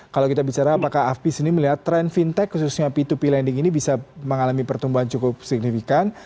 kalau kita bicara apakah afpi sendiri melihat tren fintech khususnya p dua p lending ini bisa mengalami pertumbuhan cukup signifikan